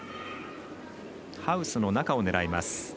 ハウスの中を狙います。